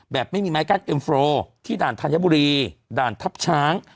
แบบไม่มีไม้กั้นเอ็มโฟร์ที่ด่านธัญบุรีด่านทัพช้าง